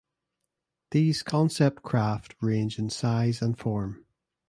These concept craft range in size and form.